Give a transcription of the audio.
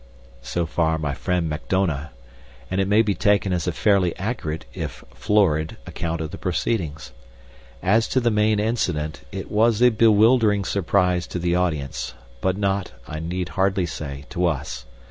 So far my friend Macdona; and it may be taken as a fairly accurate, if florid, account of the proceedings. As to the main incident, it was a bewildering surprise to the audience, but not, I need hardly say, to us.